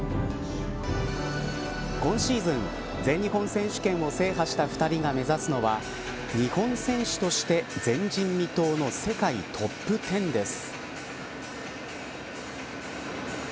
今シーズン、全日本選手権を制覇した２人が目指すのは日本選手として前人未踏の世界トップ１０です。